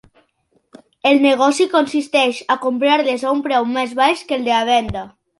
El negoci consisteix a comprar-les a un preu més baix que el de la venda.